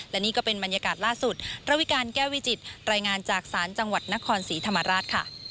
และนี่ก็เป็นบรรยากาศล่าสุดระวิการแก้ววิจิตรายงานจากศาลจังหวัดนครศรีธรรมราชค่ะ